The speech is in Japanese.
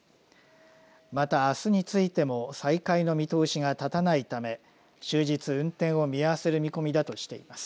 またあすについても再開の見通しが立たないため終日運転を見合わせる見込みだとしています。